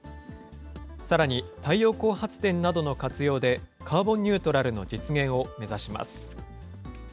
さらに、太陽光発電などの活用で、カーボンニュートラルの実現を目指します。